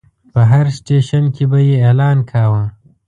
په هر سټیشن کې به یې اعلان کاوه.